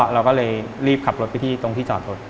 เราก็เลยรีบขับรถไปที่จอดรถ